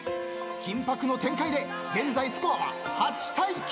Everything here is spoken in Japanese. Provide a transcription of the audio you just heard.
緊迫の展開で現在スコアは８対９。